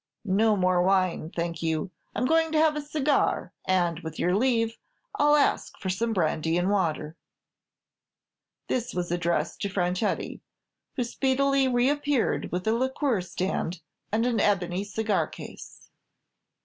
No more wine, thank you; I 'm going to have a cigar, and, with your leave, I 'll ask for some brandy and water." This was addressed to Franchetti, who speedily reappeared with a liqueur stand and an ebony cigar case.